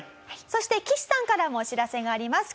そして岸さんからもお知らせがあります